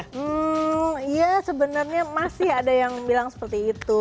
hmm ya sebenarnya masih ada yang bilang seperti itu